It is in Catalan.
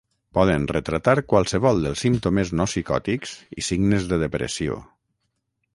Poden retratar qualsevol dels símptomes no psicòtics i signes de depressió.